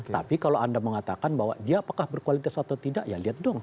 tapi kalau anda mengatakan bahwa dia apakah berkualitas atau tidak ya lihat dong